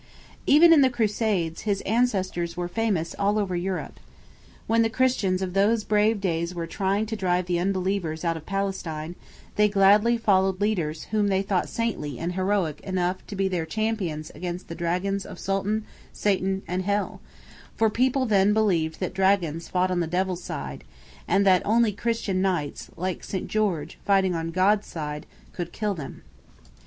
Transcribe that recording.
Even in the Crusades his ancestors were famous all over Europe. When the Christians of those brave days were trying to drive the unbelievers out of Palestine they gladly followed leaders whom they thought saintly and heroic enough to be their champions against the dragons of sultan, satan, and hell; for people then believed that dragons fought on the devil's side, and that only Christian knights, like St George, fighting on God's side, could kill them.